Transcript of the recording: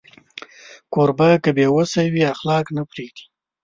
کوربه که بې وسی وي، اخلاق نه پرېږدي.